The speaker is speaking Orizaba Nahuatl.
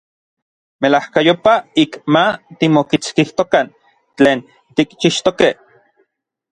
Melajkayopaj ik ma timokitskijtokan tlen tikchixtokej.